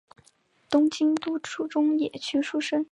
东京都中野区出生。